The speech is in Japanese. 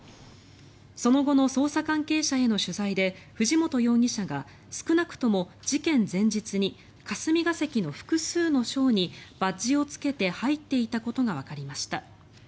その後の捜査関係者への取材で藤本容疑者が少なくとも事件前日に霞が関の複数の省にバッジをつけて入っていたことがわかりました。